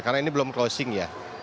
karena ini belum closing ya